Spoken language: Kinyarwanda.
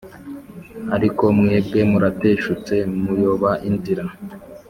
Ariko mwebwe murateshutse muyoba inzira